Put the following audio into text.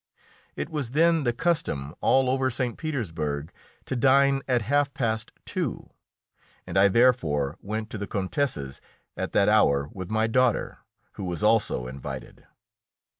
It was then the custom all over St. Petersburg to dine at half past two, and I therefore went to the Countess's at that hour with my daughter, who was also invited.